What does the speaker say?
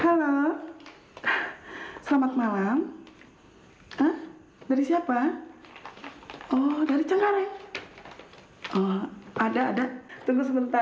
halo selamat malam dari siapa oh dari cengkareng ada ada tunggu sebentar